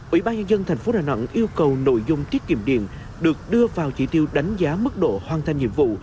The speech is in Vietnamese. ủy ban nhân dân tp đà nẵng yêu cầu nội dung tiết kiệm điện được đưa vào chỉ tiêu đánh giá mức độ hoàn thành nhiệm vụ